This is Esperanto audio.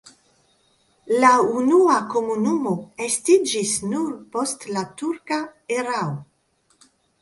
La unua komunumo estiĝis nur post la turka erao.